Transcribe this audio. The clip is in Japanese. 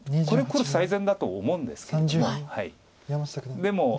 これ黒最善だと思うんですけども。